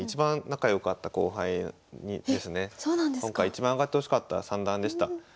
今回一番上がってほしかった三段でした。